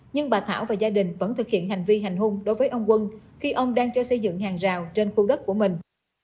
nhưng bà thảo và gia đình vẫn thực hiện hành vi hành hung đối với ông quân khi ông đang cho xây dựng hàng rào trên khu đất của mình